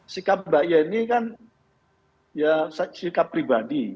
sikap mbak yeni kan ya sikap pribadi